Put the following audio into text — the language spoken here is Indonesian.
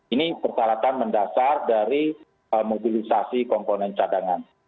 ini persyaratan mendasar dari mobilisasi komponen cadangan